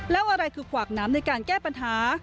แล้วอะไรคือขวากน้ำในการแก้ปัญหา